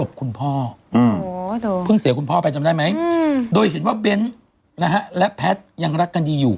คุณพ่อเพิ่งเสียคุณพ่อไปจำได้ไหมโดยเห็นว่าเบ้นนะฮะและแพทย์ยังรักกันดีอยู่